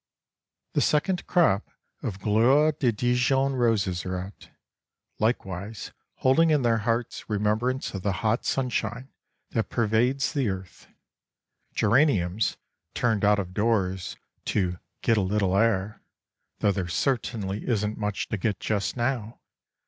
The second crop of Gloire de Dijon roses are out, likewise holding in their hearts remembrance of the hot sunshine that pervades the earth. Geraniums, turned out of doors "to get a little air" (though there certainly isn't much to get just now!)